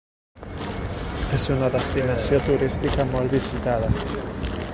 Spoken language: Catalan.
És una destinació turística molt visitada.